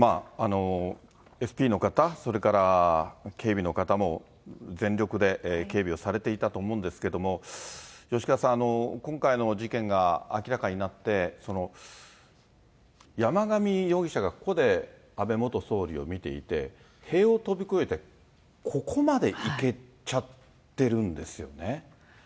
ＳＰの方、それから警備の方も全力で警備をされていたと思うんですけれども、吉川さん、今回の事件が明らかになって、山上容疑者がここで安倍元総理を見ていて、塀を飛び越えて、ここまで行けちゃってるんですよね。